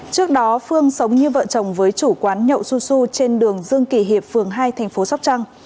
trước đó phương sống như vợ chồng với chủ quán nhậu su su trên đường dương kỳ hiệp phường hai thành phố sóc trăng